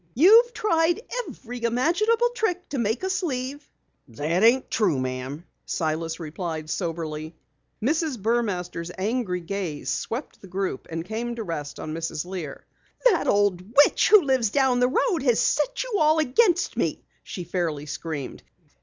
You've tried every imaginable trick to make us leave." "That ain't true, ma'am," Silas replied soberly. Mrs. Burmaster's angry gaze swept the group and came to rest on Mrs. Lear. "That old witch who lives down the road has set you all against me!" she fairly screamed.